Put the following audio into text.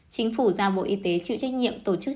chính phủ giao bộ y tế chịu trách nhiệm tổ chức